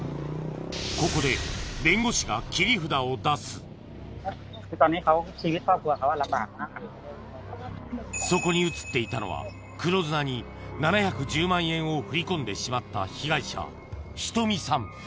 ここでそこに写っていたのは黒ズナに７１０万円を振り込んでしまった被害者瞳さん